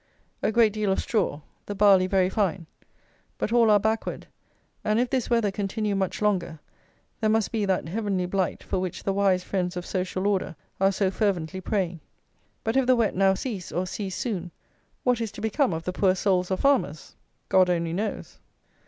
A great deal of straw. The barley very fine; but all are backward; and if this weather continue much longer, there must be that "heavenly blight" for which the wise friends of "social order" are so fervently praying. But if the wet now cease, or cease soon, what is to become of the "poor souls of farmers" God only knows!